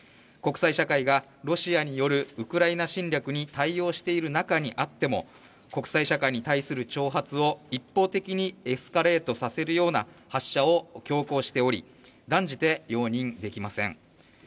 国際社会がロシアによるウクライナ侵略に対応している中にあっても、国際社会に対する挑発を一方的にエスカレートさせるような発射を強行しており、断じて容認できません。